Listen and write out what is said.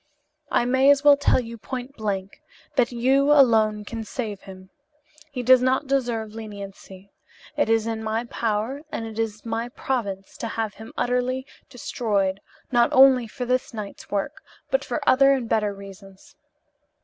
"I may as well tell you point blank that you alone can save him. He does not deserve leniency. It is in my power and it is my province to have him utterly destroyed, not only for this night's work, but for other and better reasons.